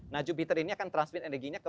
nah jupiter ini akan transfer energinya ke